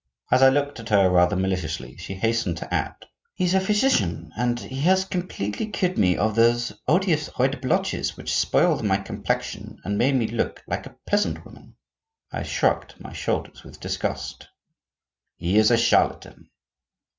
As I looked at her rather maliciously she hastened to add: "He's a physician, and he has completely cured me of those odious red blotches which spoiled my complexion and made me look like a peasant woman." I shrugged my shoulders with disgust. "He is a charlatan."